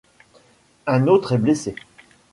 Un autre est blessé.